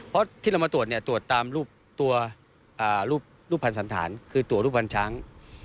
เพราะที่เรามาตรวจเนี่ยตรวจตามรูปตัวรูปภัณฑ์สันธารคือตัวรูปภัณฑ์ช้าง